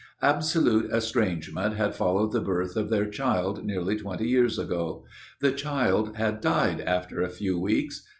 Absolute estrangement had followed the birth of their child nearly twenty years ago. The child had died after a few weeks.